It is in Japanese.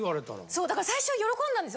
そうだから最初は喜んだんですよ。